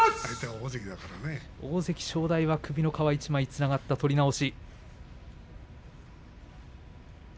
大関正代は首の皮１つつながった取り直し。